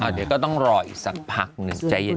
เดี๋ยวก็ต้องรออีกสักพักหนึ่งใจเย็น